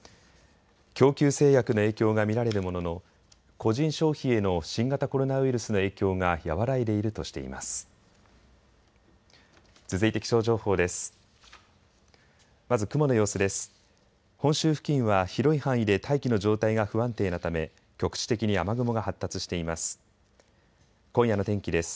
供給制約の影響が見られるものの、個人消費への新型コロナウイルスの影響が和らいでいるとしています。